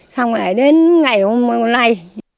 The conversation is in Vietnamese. xong rồi đến ngày hôm nay